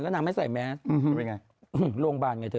แล้วนางไม่ใส่แมสไปไงโรงพยาบาลไงเธอ